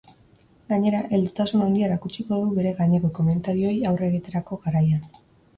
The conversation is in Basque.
Gainera, heldutasun handia erakutsiko du bere gaineko komentarioei aurre egiterako garaian.